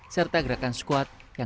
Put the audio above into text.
serta gerakan squat yang dapat diperlukan